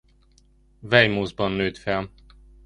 Weymouthban nőtt fel.